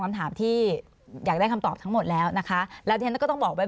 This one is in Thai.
คำถามที่อยากได้คำตอบทั้งหมดแล้วนะคะแล้วที่ฉันก็ต้องบอกไว้